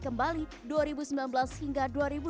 kembali dua ribu sembilan belas hingga